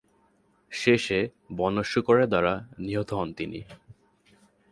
শেষে বন্য শূকরের দ্বারা নিহত হন তিনি।